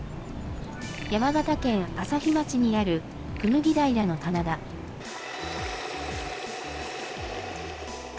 山形県朝日町にある椹平の棚田。